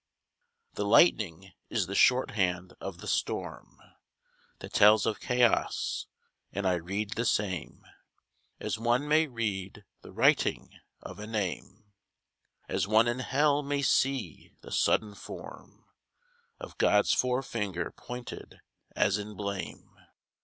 The lightning is the shorthand of the storm That tells of chaos; and I read the same As one may read the writing of a name, As one in Hell may see the sudden form Of God's fore finger pointed as in blame.